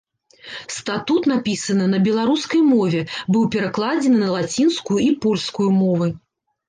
Статут напісаны на беларускай мове, быў перакладзены на лацінскую і польскую мовы.